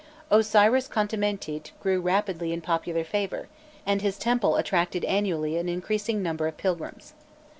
Osiris Khontamentît grew rapidly in popular favour, and his temple attracted annually an increasing number of pilgrims.